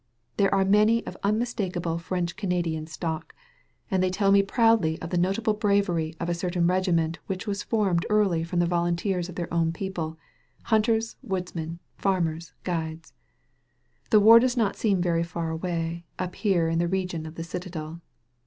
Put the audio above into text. There are many of unmistakable French Cana dian stock; and they tell me proudly of the notable bravery of a certain regiment which was formed early from volunteers of their own people — Shunters, woodsmen, farmers, guides. The war does not seem veiy far away, up here in the region of the citadel.